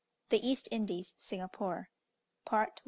THE EAST INDIES SINGAPORE.